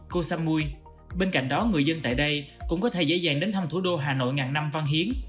cô samui bên cạnh đó người dân tại đây cũng có thể dễ dàng đến thăm thủ đô hà nội ngàn năm văn hiến